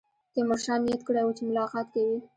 تیمورشاه نیت کړی وو چې ملاقات کوي.